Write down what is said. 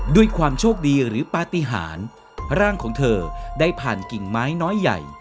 ด้วยความโชคดีหรือปฏิหารร่างของเธอได้ผ่านกิ่งไม้น้อยใหญ่